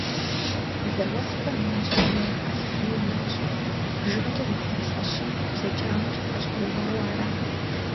Зауэлӏхэм я щхьэр зэрыхалъхьэнур ящӏэу, бжыгъэкӏэ зыпэмылъэщым бзаджагъэкӏэ пэщӏэувауэ арат.